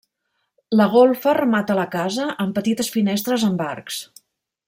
La golfa remata la casa amb petites finestres amb arcs.